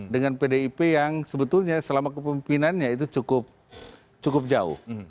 dengan pdip yang sebetulnya selama kepemimpinannya itu cukup jauh